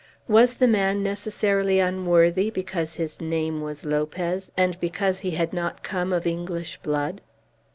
Was the man necessarily unworthy because his name was Lopez, and because he had not come of English blood?